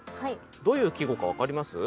どういう季語か分かります？